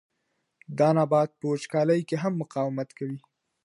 دا نبات په وچکالۍ کې هم مقاومت کوي.